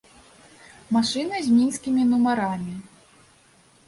Машына з мінскімі нумарамі.